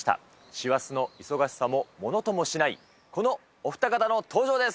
師走の忙しさもものともしない、このお二方の登場です。